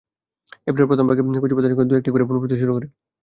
এপ্রিলের প্রথম ভাগে কচি পাতার সঙ্গে দু-একটি করে ফুল ফুটতে শুরু করে।